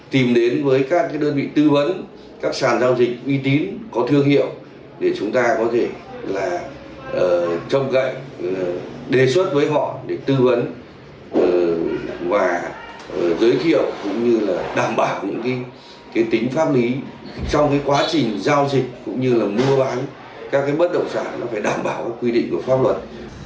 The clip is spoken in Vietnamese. tìm đến với các đơn vị tư vấn các sản giao dịch uy tín có thương hiệu để chúng ta có thể là trong cạnh đề xuất với họ để tư vấn và giới thiệu cũng như là đảm bảo những cái tính pháp lý trong cái quá trình giao dịch cũng như là mua bán các cái bất động sản nó phải đảm bảo quy định của pháp luật